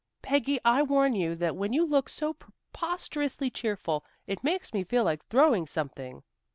Peggy, I warn you that when you look so preposterously cheerful, it makes me feel like throwing something."